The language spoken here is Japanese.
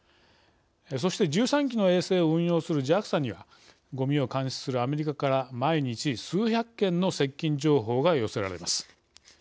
そして１３機の衛星を運用するＪＡＸＡにはごみを監視するアメリカから毎日、数百件の接近情報が寄せられます。